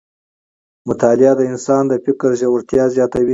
مطالعه د انسان د فکر ژورتیا زیاتوي